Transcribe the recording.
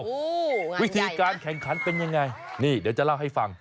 โอ้โหวิธีการแข่งขันเป็นยังไงนี่เดี๋ยวจะเล่าให้ฟัง